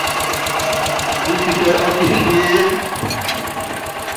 N si kɛ ɔ ti fiɛn.